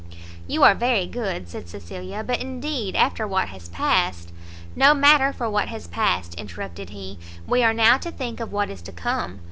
"You are very good," said Cecilia; "but indeed after what has passed " "No matter for what has passed," interrupted he, "we are now to think of what is to come.